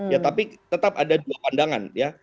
ya tapi tetap ada dua pandangan ya